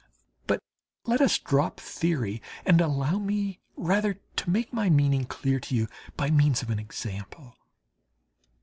But let us drop theory, and allow me rather to make my meaning clear to you by means of an example.